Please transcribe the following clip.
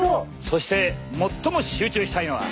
そして最も集中したいのは。